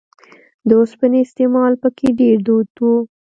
د اوسپنې استعمال په کې ډېر دود و